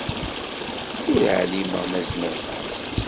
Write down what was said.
Ur ɛlimeɣ ma zemreɣ-as.